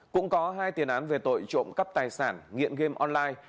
cũng có hai tiền án về tội trộm cắp tài sản nghiện game online